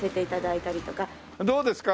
どうですか？